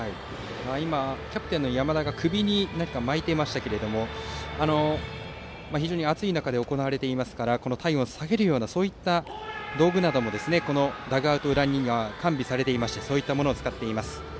今、キャプテンの山田が首に何かを巻いていましたが非常に暑い中で行われているので体温を下げるような道具などもダグアウト裏には完備されていましてそういったものを使っています。